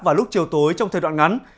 và lúc chiều tối trong thời đoạn ngắn